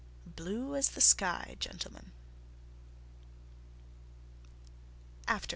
"Blue as the sky, gentlemen...."